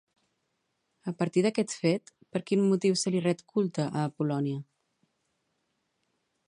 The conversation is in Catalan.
A partir d'aquest fet, per quin motiu se li ret culte a Apol·lònia?